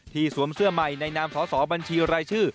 สวมเสื้อใหม่ในนามสสบัญชีรายชื่อ